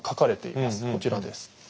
こちらです。